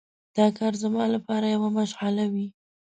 دا کار زما لپاره یوه مشغله وي.